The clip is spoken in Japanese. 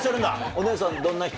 お姉さんどんな人？